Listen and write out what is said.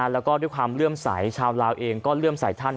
แล้วก็ด้วยความเลื่อมใสชาวลาวเองก็เลื่อมใสท่าน